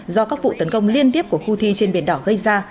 do các vụ tấn công liên tiếp của houthi trên biển đỏ gây ra